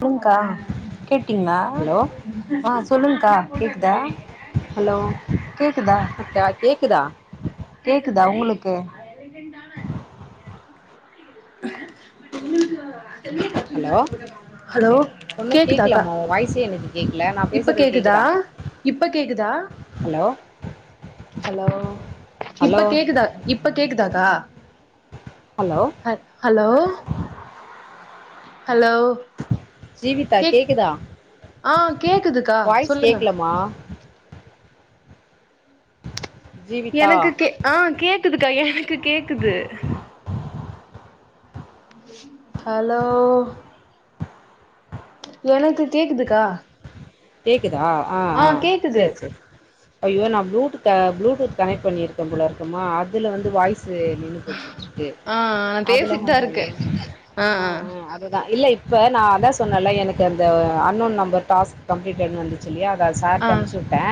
சொல்லுங்க்கா கேட்டீங்ளா ஹலோ ஆ சொல்லுங்க க்கா கேக்குதா ஹலோ கேக்குதா அக்கா கேக்குதா கேக்குதா ஒங்களுக்கு போ உ [unintelligible] ஹலோ ஹலோ ஒன்னு கேக்குதாக்கா கேக்கலமா உ வாய்ஸே எனக்கு கேக்கல நா இப்ப பேசுறது கேக்குதா இப்ப கேக்குதா ஹலோ ஹலோ ஹலோ இப்ப கேக்குதா இப்ப கேக்குதாக்கா ஆ ஹலோ ஹலோ ஹலோ ஜீவிதா கேக் கேக்குதா ஆ கேக்குதுக்கா வாய்ஸ் சொல்லுங்க கேக்கலமா ஜீவிதா எனக்கு கே ஆ கே கேக்குதுக்கா எனக்கு கேக்குது ஹலோ எனக்கு கேக்குதுக்கா கே க்குதா ஆ ஆ சேரி சேரி ஐயோ நா ப்ளூடூத் ப்ளூடூத் கனெக்ட் பண்ணிருக்க போல இருக்குமா அதுல வந்து வாய்ஸ் நின்னு போச்சட்டுருக்கு ஆ நா அதுலாம் பேசிட்டு தா இருக்கே ஆ அதுதா இல்ல இப்ப நா அதா சொன்னேல எனக்கு அந்த அன்னோன் நம்பர் டாஸ்க் கம்பளிட்டட் வந்துச்சல்லியா ஆ சார்ட்ட அனுப்ச்சு விட்டே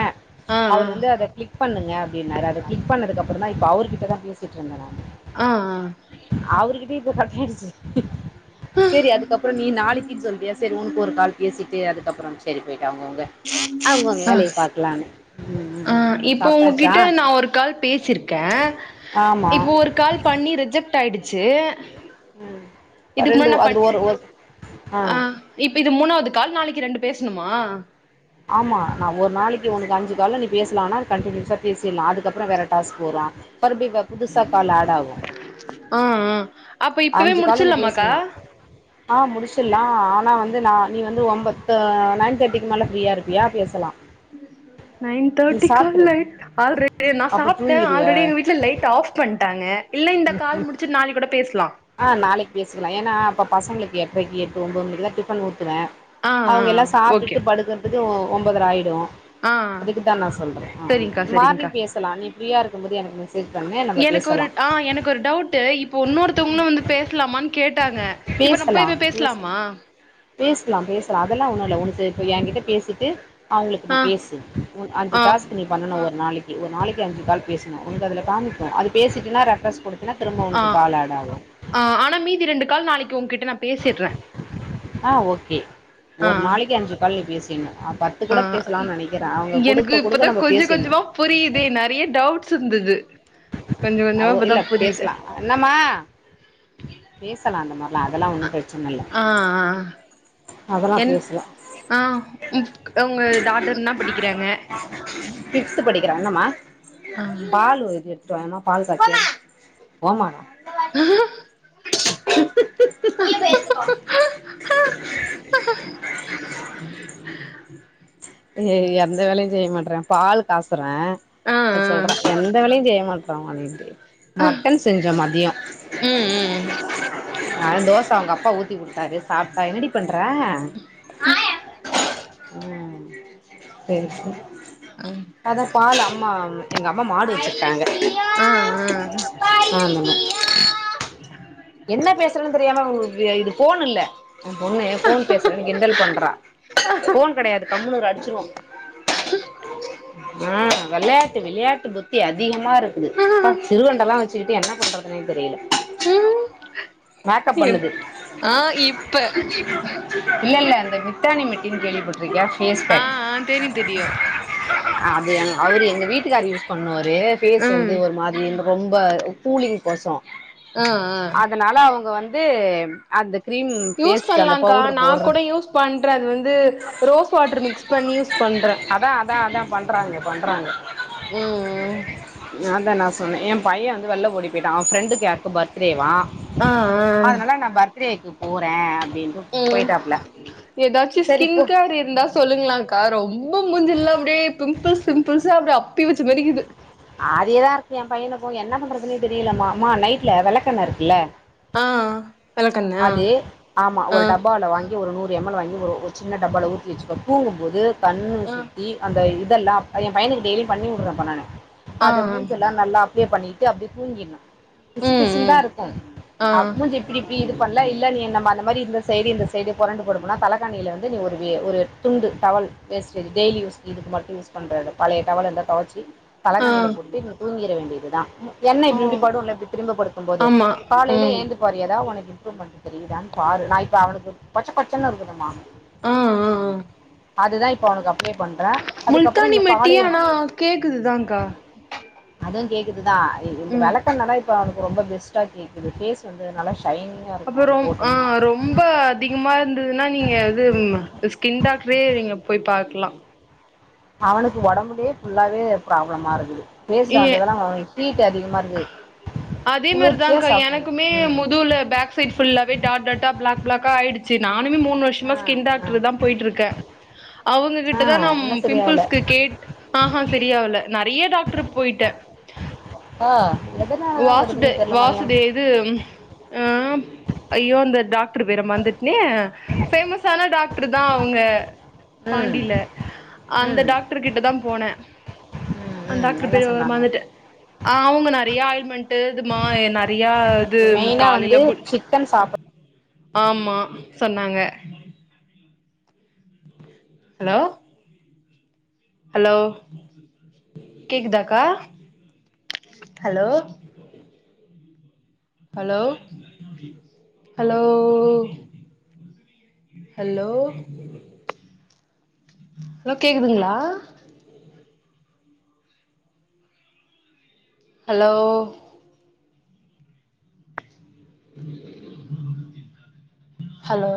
ஆ அவர் வந்து அத ஆ கிளிக் கிளிக் பண்ணுங்க அப்டினாரு அத கிளிக் பண்ணதுக்கப்றோ தா இப்ப அவர்கிட்ட தா பேசிட்டு இருந்தே நானு ஆ ஆ பக்கிருச்சு சேரி அதுக்கப்ற நீ நாளைக்கின் சொல்றியா சரி உனக்கு ஒரு கால் பேசிட்டு அதுக்கப்ற சரி போயிட்டாங்க அவுங்க அவுங்கங் ஆ வேலய பாக்கலான்னு ம் ம் ஆ ம் இப்போ சாப்ட்டாச்சா உங்கிட்ட நா ஒரு கால் பேசிருக்கேன் ஆமா இப்போ ஒரு கால் பண்ணி ரிஜெக்ட் ஆயிடுச் சு ம் ரெண்டு அந்து ஒரு ஒரு ஆ டு கால் நாளைக்கி ரெண்டு பேசணுமா ஆமா நா ஒரு நாளைக்கி ஒனக்கு அஞ்சு கால்ல நீ பேசலான்னா கண்டினியூஸா பேசிலாம் அதுக்கப்ற வேற டாஸ்க் வரு மறுபடியு புதுசா கால் ஆட் ஆகு ம் ம் அப்ப இப்பவே அஞ்சு கால்ல நீ முடிச்சுடலாமாக்கா பேசினா ஆ முடிச்சிடலாம் ஆனா வந்து நா நீ வந்து ஒன்பத்த நையின் தேட்டிக்கு மேல ஃப்ரீயா இருப்பியா பேசலாம் நையின் தேட்டிகா லை நா அப்ப சாப்டேன் ஆல்ரெடி தூங்கிருவ எங்க வீட்ல லைட் ஆப் பண்ணிட்டாங்க இல்ல இந்த கால் முடிச்சு நாளைக்கு கூட பேசலாம் ஆ நாளைக்கு பேசிக்கலாம் ஏன்னா அப்ப பசங்களுக்கு எட்ரக்கி எட்டு ஒம்பது மணிக்கு தா டிபன் ஊத்துவேன் ஆ ஆ அவுங்க எல்லா ஓகே சாப்டுட்டு படுக்கறது ஒ ஒம்பதர ஆயிடும் ஆ அதுக்குதான் நா சொல்றேன் ஆ சரிங்க்கா சரிங்க்கா மார்னிங் பேசலாம் நீ ஃப்ரீயா இருக்கும் போது எனக்கு மெசேஜ் பண்ணு நம்ப எனக்கு பேசலாம் துங்னு வந்து பேசலாமான் கேட்டா இப்ப நம்ம போயி அது பேஸ்லாமா பேசலாம் பேசலாம் அதெல்லா ஒன்னு இல்ல ஒனக்கு இப்ப என்கிட்ட பேசிட்டு அவுங்களுக்கு நீ ஆ பேசு உன் அஞ்சு ஆ டாஸ்க் நீ பண்ணனு ஒரு நாளைக்கி ஒரு நாளைக்கி அஞ்சு கால் பேசுனும் ஒனக்கு அதுல காமிக்கும் அது பேசிட் டினா ரெஃப்ரஷ் குடுத்தீன்னா திரும்ப ஆ உனக்கு கால் ஆட் ஆகும் கு உங்கிட்ட நா பேசிட்றேன் ஆ ஓகே ஒரு நாளைக்கு அஞ்சு கால் நீ பேசு தின்ன ஆ எனக்கு குடுக்க இப்பதா குடுக்க நம்ம கொஞ்ச பேசிட்ணு கொஞ்சமா புரியிதே நெறைய டவுட்ஸ் இருந்தது கொஞ்ச அ கொஞ்சமா ஒ இப்பதா இல்ல புரியுது பேசலா பேசலா அந்த மார்லா அதெல்லா ஒன்னு பிரச்சனல்ல ஆ ஆ என் ஆ ம் உங்க டாட்டர் என்னா படிக்கிறாங்க சிக்ஸ்த்து படிக்கிறா ஆ போயம்மா பால்காரு போ போம்மா போம்மாவா அஹ [unintelligible] [unintelligible] நீயே போய் எடுத்துக்கோ ஏ எந்த வேலையு செய்ய மாட்றா பால் காச ஆ ஆ [unintelligible] சொல்றா எந்த வேலையு செய்ய மாட்றா‌ அப்டின்ட்டு மட்டன் செஞ்ச மதியொ ம் ம் ஆ தோச அவுங்க அப்பா ஊத் தி குடுத்தாரு சாப்டா ம் சேரி சே அத பால் அம் மா எங்கம்மா மாடு வச்சிருக்காங்க ஆ ஆ ஆமாமா என்ன பேசுறன்னு தெரிய்யாம உ இது போன் இல்ல எ பொண்ணு ஃபோன் பேசுறேன் கிண்டல் பண்றா ஆ வெளையாட்டு விளையாட்டு புத்தி அதிகமா இருக்குது ப்பா ஆ சிறுவண்டல்லா வச்சுக்கிட்டு என்ன பண்றதுனு தெரில ஆ மேக்கப் என்ன பண்ணுது ஆ இப்ப இல்லெல்ல அந்த மித் தானி மெட்டின் கேள்விபட்ருக்கியா ஃபேஸ் ஆ பேக் ஆ தெரியு தெரியு அ அத எ அவுரு எங்க வீட்டுக்காரு யூஸ் பண்ணுவா ரு ஃபேஸ் ம் வந்து ஒரு மாரி ரொம்ப கூலிங் கொசோ ஆ ஆ அ வுங்க வந்து அந்த கிரீம் யூஸ் ஃபேஸ்க்கு அந்த பண்லாக்கா பவுட்ரு நா போடுற கூட யூஸ் பண்றே அது வந்து ரோஸ் வாட்ரு மிக்ஸ் பண்ணி யூஸ் பண்றே அதா அதா அதா பண்றாங்க பண்றாங்க ம் ம் நா தா நா சொன்னே எ பைய வந்து வெள்ல ஓடி போயிட்டா அவெ ஃப்ரெண்டுக்கு யார்க்கோ பர்த்து டேவா ஆ ஆ த்டேக்கு போறேன் ம் எதாச்சி சரி ஸ்கின் போ கேர் இருந்தா சொல்லுங்களாக்கா ரொம்ப மூஞ்செல்லா அப்டியே பிம்ப்ள்ஸ் பிம்பிள்ஸா அப்டியே அப்பி வெச்ச மாரி இக்குது அதியே தான் இருக்கு என் பையன்னுக்கு என்ன பண்றதுன்னே தெரியலமா மா நைட்ல வெளக்கெண்ண இருக்குல ஆ வெளக்கெண்ணெயா அது ஆமா ஆ ஒரு டப்பால வாங் ஒரு நூறு எம் எல் வாங்கி ஒரு ஒரு சின்ன டப்பால ஊத்தி வெச்சிக்கோ தூங்கும்போது கண்ணு ஆ சுத்தி அந்த இ இதெல்லா என் பையனுக்கு டெய்லி பண்ணி வுடுறேன் இப்போ நானு ஆ ஆ அத மூஞ்செல்லா நல்லா அப்ளே பண்ணி விட்டு அப்டியே தூங்கிடுனும் பிசு ம் ம் பிசுன்தான் இருக்கும் ஆ மூஞ்சி இப்டி இது பண்ல இல்ல நீ நம்ம அந்த மாரி இந்த சைடு இந்த சைடு பொரண்டு படுப்பனா தலைக்கானியில வந்து நீ ஒரு வே ஒரு துண்டு டவல் வேஸ்ட்டேஜ் டெய்லி யூஸ் இதுக்கு மட்டும் யூஸ் பண்றது பழைய டவல் இருந்தா தொவச்சி ஆ தலகாணில போட்டு நீ தூங்கிட வேண்டியது தான் என்ன இப்டி ஓ இப்டி படும்ல இப்டி திரும்பி படுக்கும் போது ஆமா காலையில ம் ஏந்து பாரு எதா உனக் இம்ப்ரூமென்ட் தெரியுதானு பாரு நான் இப்ப அவனுக்கு கொச்ச கொச்சன்னு இருக்குதும்மா ஆ அது தான் போணக்கப் முல்த்தானி மெட்டியும் ஆனா கேக்குதுதாக்கா இது தான் இந்த விளக்கண்ணல்லா இப்ப அவனு ரொம்ப பெஸ்ட்டா கேக்குது பேஸ் வந்து நல்லா ஷைனிங்காக இருக்கும் இப்ப அது ரொம் ஆ போட்டோம்னா ரொம்ப அதிகமா இருந்ததுன்னா நீங்க இது ஸ்கின் டாக் டரே நுங்க போய் பாக்கலாம் அவனுக்கு உடம்புலயே ஃபுல்லாவே ப்ராப்ளமா இருக்குது ஃபேஸில் ஏ வந்ததெல்லாம் அவனுக்கு ஹீட் அதிகமாக இருக்குது அதே குளிர்ச்சியாக மாதிரிதான்க்கா சாப்பிடணும் எனக்குமே ம் முதுவுல பேக் சைட் ஃபுல்லாவே பிளாக் பிளாக் ஆயிடு சரி நானே மூனு வருஷமா ஆ ஸ்கின் ஆ டாக்டர் தா போயிட்டு இருக்கே ஆ அவுங்ககிட்ட தா நா என்ன சரியாகல பிம்பிள்ஸ்கு கேட்டு ஆஹ சரியாவல நெறய டாக்டர் போயிட்டே ஆ எதனால தான் வாசுத வருதுன்னு தெரியல மையம் வாசத இது ஆ ஐயோ அந்த டாக்டர் பேற மறந்துட்டுடேனே ஃபேமஸான டாக்டர் தா அவுங்க ம் பாண்டில அந்த ம் டாக்டர் கிட்ட தா போனே ம் அ ம் டாக்டர் என்ன பேர வேற சொன்னாங்க மறந்துட்டே அவுங்க நெறய ஆயி மண்டு இதுமா நெறய மெயினா வந்து சிக்கன் சாப்பிடு ஆமா சொன்னாங்க ஹலோ ஹலோ கேக்குதாக்கா hello hello hello hello hello கேக்குதுங்ளா ஹலோ ஹலோ